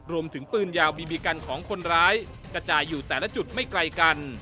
รวมถึงปืนยาวบีบีกันของคนร้ายกระจายอยู่แต่ละจุดไม่ไกลกัน